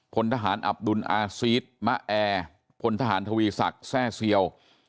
พลทหารอับดุลอาซีสมะแอร์พลทหารทวีศักดิ์แทร่เซียว